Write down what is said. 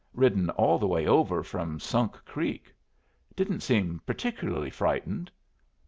Ridden all the way over from Sunk Creek. Didn't seem particularly frightened."